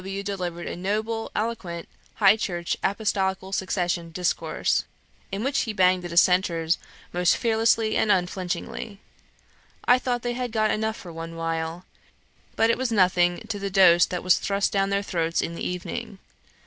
W. delivered a noble, eloquent, High Church, Apostolical Succession discourse, in which he banged the Dissenters most fearlessly and unflinchingly. I thought they had got enough for one while, but it was nothing to the dose that was thrust down their throats in the evening.